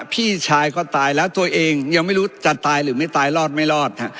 พี่ชายก็ตายแล้วตัวเองยังไม่รู้จะตายหรือไม่ตายรอดไม่รอด